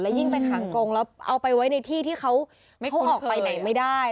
ยิ่งไปขังกงแล้วเอาไปไว้ในที่ที่เขาออกไปไหนไม่ได้